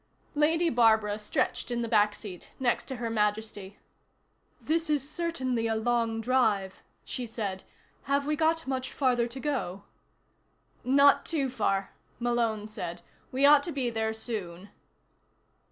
Lady Barbara stretched in the back seat, next to Her Majesty. "This is certainly a long drive," she said. "Have we got much farther to go?" "Not too far," Malone said. "We ought to be there soon."